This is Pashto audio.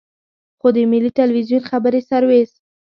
خو د ملي ټلویزیون خبري سرویس.